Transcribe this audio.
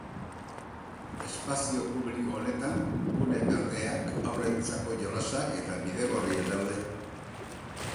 Espazio publiko honetan gune berdeak, haurrentzako jolasak eta bidegorria daude.